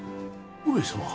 上様。